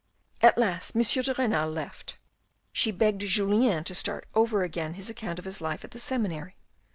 At last M. de Renal left. She begged Julien to start over again his account of his life at the Seminary.